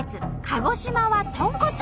鹿児島は豚骨。